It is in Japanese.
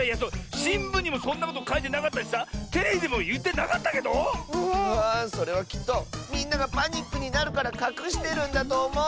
しんぶんにもそんなことかいてなかったしさテレビでもいってなかったけど⁉それはきっとみんながパニックになるからかくしてるんだとおもう。